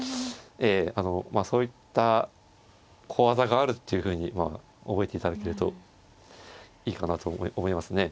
えあのそういった小技があるっていうふうに覚えていただけるといいかなと思いますね。